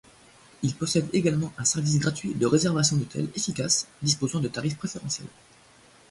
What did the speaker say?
Il possède également un service gratuit de réservation d'hôtels efficace disposant de tarifs préférentiels.